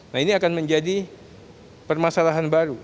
nah ini akan menjadi permasalahan baru